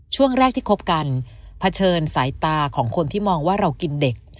ช่วงแรกที่คบกันเผชิญสายตาของคนที่มองว่าเรากินเด็ก